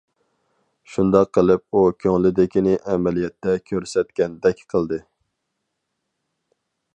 شۇنداق قىلىپ ئۇ كۆڭلىدىكىنى ئەمەلىيەتتە كۆرسەتكەندەك قىلدى.